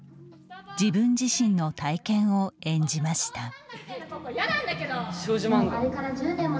自分自身の体験を演じました。